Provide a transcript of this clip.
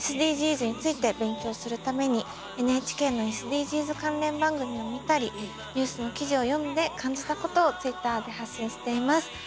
ＳＤＧｓについて勉強するためにＮＨＫのＳＤＧｓ関連番組を見たりニュースの記事を読んで感じたことをＴｗｉｔｔｅｒで発信しています。